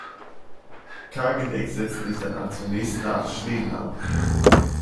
Kageneck setzte sich danach zunächst nach Schweden ab.